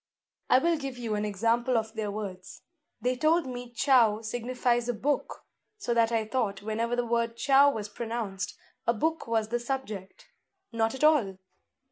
"I will give you an example of their words. They told me chou signifies a book: so that I thought whenever the word chou was pronounced, a book was the subject. Not at all!